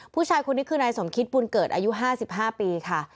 ผู้ชายคนนี้คือนายสมคิตบุญเกิดอายุ๕๕ปีค่ะ